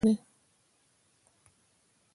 افغانستان د رسوب له امله شهرت لري.